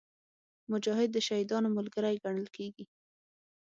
مجاهد د شهیدانو ملګری ګڼل کېږي.